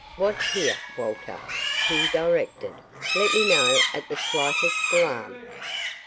"Watch here, Walter," he directed, "Let me know at the slightest alarm."